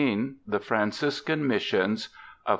THE FRANCISCAN MISSIONS I.